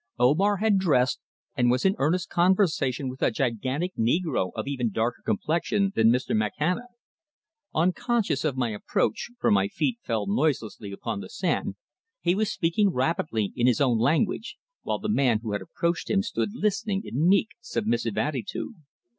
Omar had dressed, and was in earnest conversation with a gigantic negro of even darker complexion than Mr. Makhana. Unconscious of my approach, for my feet fell noiselessly upon the sand, he was speaking rapidly in his own language, while the man who had approached him stood listening in meek, submissive attitude.